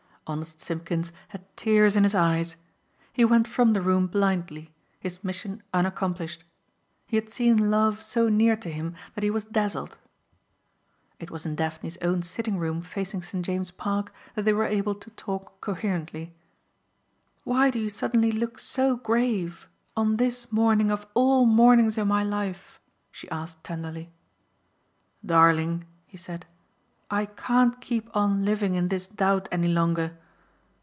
Honest Simpkins had tears in his eyes. He went from the room blindly, his mission unaccomplished. He had seen Love so near to him that he was dazzled. It was in Daphne's own sitting room facing St. James' Park that they were able to talk coherently. "Why do you suddenly look so grave on this morning of all mornings in my life?" she asked tenderly. "Darling," he said, "I can't keep on living in this doubt any longer.